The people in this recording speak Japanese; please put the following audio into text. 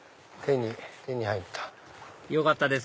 手に入った。